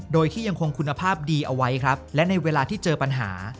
โดยที่ยังคงคุณภาพดีเอาไว้ครับและในเวลาที่เจอปัญหา